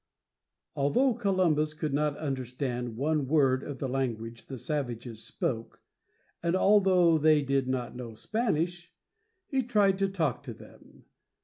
Although Columbus could not understand one word of the language the savages spoke, and although they did not know Spanish, he tried to talk to them.